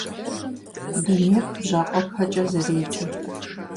Дунейр бжьакъуэпэкӀэ зэредзэ.